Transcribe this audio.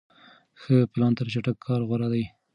ښه پلان تر چټک کار غوره دی.